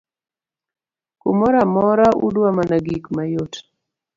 kumoro amora udwa mana gik mayot